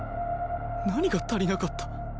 何が足りなかった？